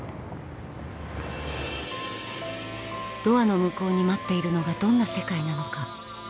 ドアの向こうに待っているのがどんな世界なのか